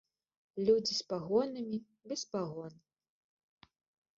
Людзі з пагонамі, без пагон.